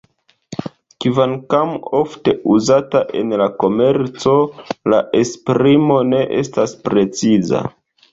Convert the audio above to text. Kvankam ofte uzata en la komerco la esprimo ne estas preciza.